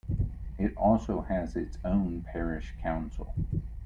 It also has its own Parish Council.